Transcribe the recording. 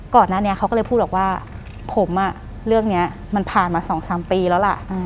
ก่อนหน้านี้เขาก็เลยพูดบอกว่าผมเรื่องนี้มันผ่านมา๒๓ปีแล้วล่ะ